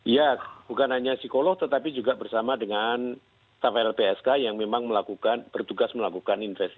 ya bukan hanya psikolog tetapi juga bersama dengan staf lpsk yang memang melakukan bertugas melakukan investigasi